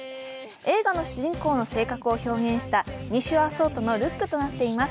映画の主人公の性格を表現した２種アソートのルックとなっています。